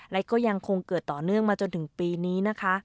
และก็ยังคงเกิดต่อเนื่องมาจนถึงปีนี้นะคะ